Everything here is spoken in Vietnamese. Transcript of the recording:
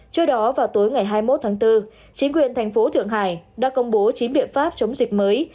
trước đó vào tối ngày hai mươi một tháng bốn chính quyền thành phố thượng hải đã công bố chín biện pháp chống dịch mới